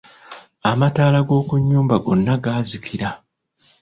Amataala g'okunnyumba gonna gaazikila.